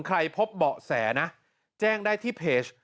พบเบาะแสนะแจ้งได้ที่เพจ